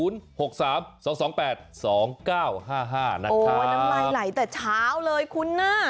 ๐๖๓๒๒๘๒๙๕๕นะครับโอ้วน้ำไหลแต่เช้าเลยคุณหน้า